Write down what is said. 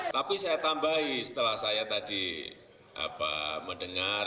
tapi saya tambahi setelah saya tadi mendengar